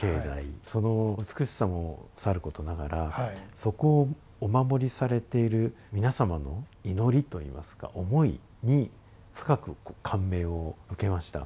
その美しさもさることながらそこをお守りされている皆様の祈りといいますか思いに深く感銘を受けました。